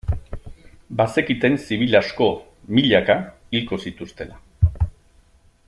Bazekiten zibil asko, milaka, hilko zituztela.